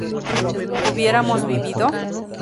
¿hubiéramos vivido?